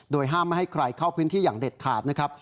ห้ามไม่ให้ใครเข้าพื้นที่อย่างเด็ดขาดนะครับ